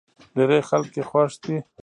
ډېری خلک يې خوښ دی.